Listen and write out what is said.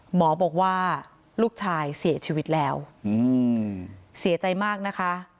หมอบอกว่าลูกชายเสียชีวิตแล้วเสียใจมากนะคะ